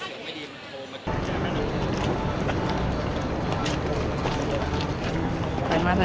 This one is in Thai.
สุดท้ายเท่าไหร่สุดท้ายเท่าไหร่